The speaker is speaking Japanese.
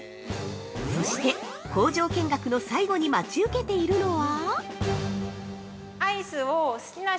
◆そして、工場見学の最後に待ち受けているのは◆